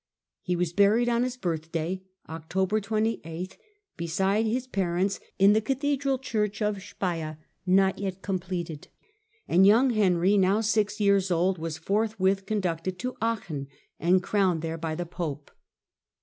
He was buried on his birthday, October 28, beside his parents in the cathedral church of Speier, not yet completed, and young Henry, now six years old, was forthwith conducted to Aachen and crowned there by the pope.